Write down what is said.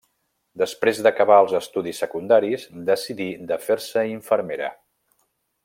Després d'acabar els estudis secundaris, decidí de fer-se infermera.